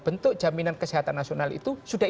bentuk jaminan kesehatan nasional itu sudah